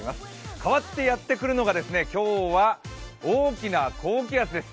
代わってやってくるのが、今日は大きな高気圧です。